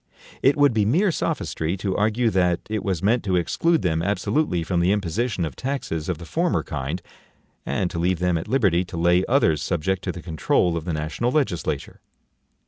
It would be mere sophistry to argue that it was meant to exclude them ABSOLUTELY from the imposition of taxes of the former kind, and to leave them at liberty to lay others SUBJECT TO THE CONTROL of the national legislature.